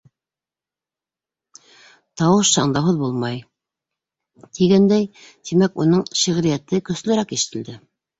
Тауыш шаңдауһыҙ булмай, тигәндәй, тимәк, уның шиғриәте көслөрәк ишетелде.